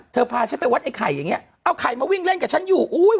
พาฉันไปวัดไอ้ไข่อย่างเงี้เอาไข่มาวิ่งเล่นกับฉันอยู่อุ้ย